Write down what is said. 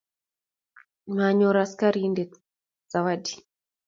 Manyor askarindet sawadi.